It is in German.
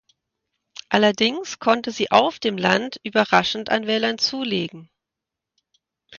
Allerdings konnte sie auf dem Land überraschend an Wählern zulegen.